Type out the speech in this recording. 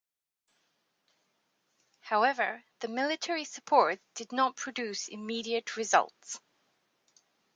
However, the military support did not produce immediate results.